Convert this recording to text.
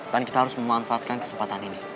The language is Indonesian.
dan kita harus memanfaatkan kesempatan ini